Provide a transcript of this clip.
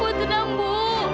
bu tenang bu